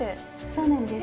そうなんです。